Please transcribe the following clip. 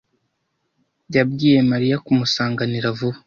yabwiye Mariya kumusanganira vuba